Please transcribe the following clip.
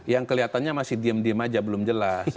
yang kelihatannya masih diem diem aja belum jelas